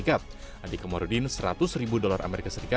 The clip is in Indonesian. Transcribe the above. andi kemurudin seratus dolar as